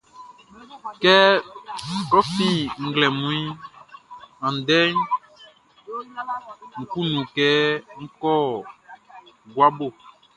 Kɛ fin nglɛmun andɛ, nʼkunnu kɛ nʼwɔ gua bo.